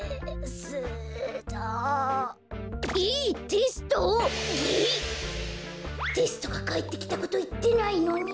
こころのこえテストがかえってきたこといってないのに。